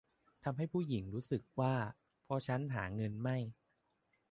ทำให้ผู้หญิงรู้สึกว่า เพราะฉันหาเงินไม่